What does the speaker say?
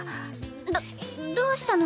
どどうしたの？